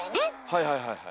はいはいはいはい。